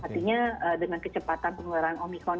artinya dengan kecepatan penularan omikron